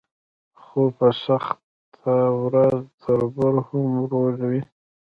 خو په سخته ورځ تربور هم ورور وي.